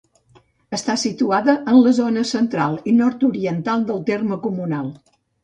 Està situada en la zona central i nord-oriental del terme comunal.